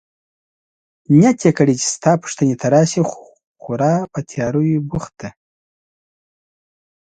نیت يې کړی چي ستا پوښتنې ته راشي، خورا په تیاریو بوخت دی.